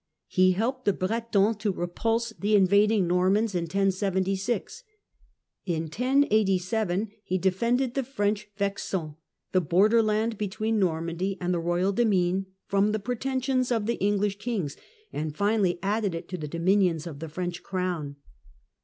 He helped the Bretons to repulse the invading Normans in 1076. In 1087 he defended the French Vexin, the border land between Normandy and the royal demesne, from the pretensions of the English kings, and finally added it to the dominions of the French crown.